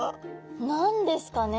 何ですかね？